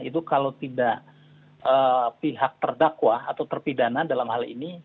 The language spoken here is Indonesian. itu kalau tidak pihak terdakwa atau terpidana dalam hal ini